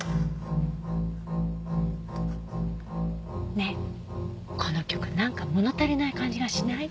ねえこの曲なんかもの足りない感じがしない？